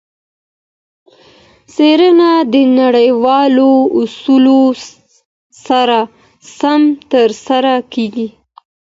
څېړنه د نړیوالو اصولو سره سمه ترسره کیږي.